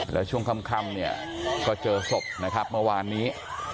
แล้วช่วงค่ำเนี่ยก็เจอศพนะครับเมื่อวานนี้